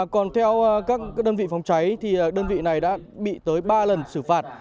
còn theo các đơn vị phòng cháy thì đơn vị này đã bị tới ba lần xử phạt